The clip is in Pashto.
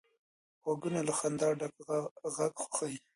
غوږونه له خندا ډک غږ خوښوي